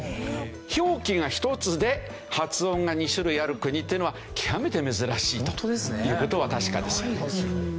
表記が１つで発音が２種類ある国というのは極めて珍しいという事は確かですよね。